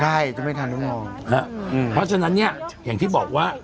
ใช่จะไม่ทันต้องมองฮะอืมเพราะฉะนั้นเนี่ยอย่างที่บอกว่า